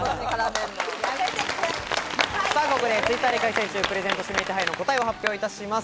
さあここで、Ｔｗｉｔｔｅｒで開催中、プレゼント指名手配の答えを発表いたします。